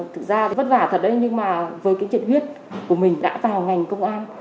thực ra vất vả thật đấy nhưng mà với cái chuyện huyết của mình đã vào ngành công an